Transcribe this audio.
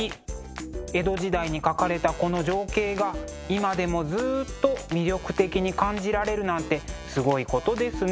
江戸時代に描かれたこの情景が今でもずっと魅力的に感じられるなんてすごいことですね。